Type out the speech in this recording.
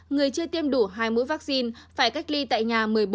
người chưa tiêm đủ hai mũi vaccine phải cách ly tại nhà một mươi bốn